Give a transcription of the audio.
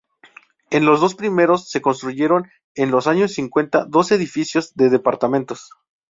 En los dos primeros se construyeron en los años cincuenta dos edificios de departamentos.